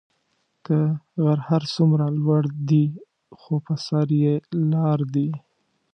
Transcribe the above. كه غر هر سومره لور دي خو به سر ئ لار دي.